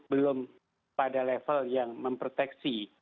belum pada level yang memproteksi